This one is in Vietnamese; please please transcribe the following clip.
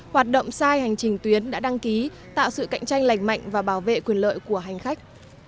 hoạt động sai hành trình tuyến đã đăng ký tạo sự cạnh tranh lành mạnh và bảo vệ quyền lợi của hành khách